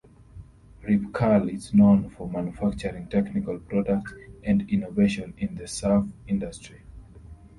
Rip Curl is known for manufacturing technical products and innovation in the surf industry.